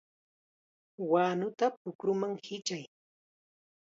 ¡Wanuta pukruman hichay!